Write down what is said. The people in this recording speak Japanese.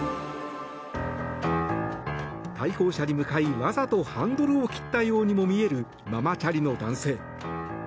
対向車に向かい、わざとハンドルを切ったようにも見えるママチャリの男性。